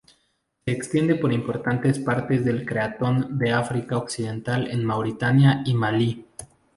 Se extiende por importantes partes del cratón de África Occidental en Mauritania y Malí.